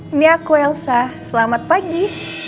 ini aku elsa selamat pagi